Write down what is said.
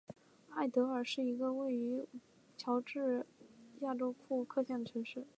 艾得尔是一个位于美国乔治亚州库克县的城市。